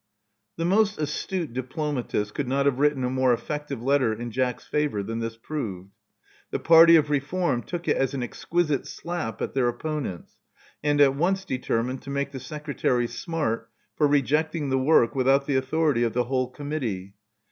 The most astute diplomatist could not have written a more eflPective letter in Jack's favor than this proved. The party of reform took it as an exquisite slap at their opponents, and at once determined to make the Secretary smart for rejecting the work without the authority of the whole Committee.